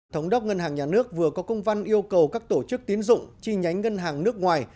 thống đốc ngân hàng nhà nước vừa có công văn yêu cầu các tổ chức tiến dụng chi nhánh ngân hàng nước ngoài